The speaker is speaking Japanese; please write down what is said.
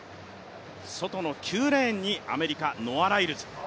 外の９レーンにアメリカ、ノア・ライルズ。